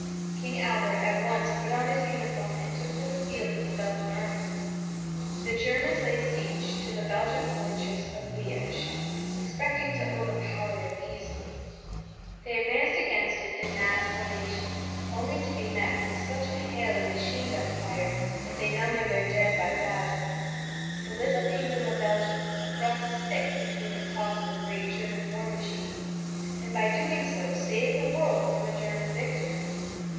King Albert at once put on his uniform and took to the field with the Belgian army. The Germans laid siege to the Belgian fortress of Liège, expecting to overpower it easily. They advanced against it in mass formation, only to be met with such a hail of machine gun fire that they numbered their dead by thousands. The little Kingdom of Belgium had thrust a stick between the cogs of the great German war machine, and by doing so saved the world from a German victory.